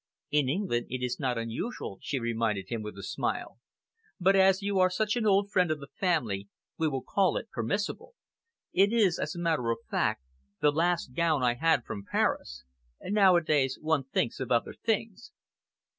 "In England it is not usual," she reminded him, with a smile, "but as you are such an old friend of the family, we will call it permissible. It is, as a matter of fact, the last gown I had from Paris. Nowadays, one thinks of other things."